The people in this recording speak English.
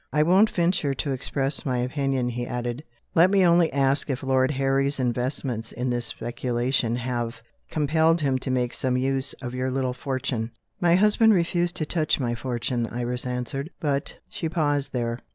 "I won't venture to express an opinion," he added; "let me only ask if Lord Harry's investments in this speculation have compelled him to make some use of your little fortune?" "My husband refused to touch my fortune," Iris answered. "But" She paused, there.